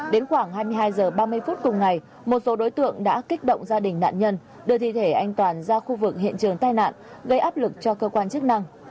đến khoảng hai mươi hai h ba mươi phút cùng ngày một số đối tượng đã kích động gia đình nạn nhân đưa thi thể anh toàn ra khu vực hiện trường tai nạn gây áp lực cho cơ quan chức năng